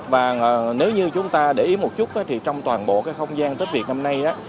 và nếu như chúng ta để ý một chút trong toàn bộ không gian tết việt năm nay